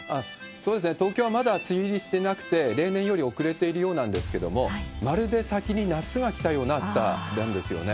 そうですね、東京はまだ梅雨入りしてなくて、例年より遅れているようなんですけれども、まるで先に夏が来たような暑さなんですよね。